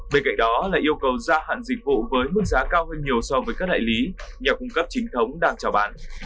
bên cạnh đó là yêu cầu gia hạn dịch vụ với mức giá cao hơn nhiều so với các đại lý nhà cung cấp chính thống đang trào bán